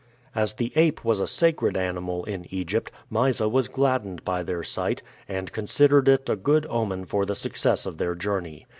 As the ape was a sacred animal in Egypt, Mysa was gladdened by their sight, and considered it a good omen for the success of their journey.